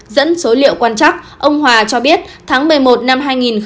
dẫn số liệu quan trắc ông hòa cho biết tháng một mươi một năm hai nghìn hai mươi